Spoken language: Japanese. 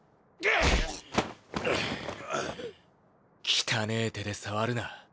汚ぇ手で触るな。